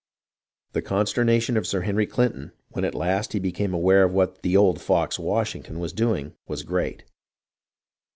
The consternation of Sir Henry Clinton when at last he became aware of what "the old fox Washington" was doing was great.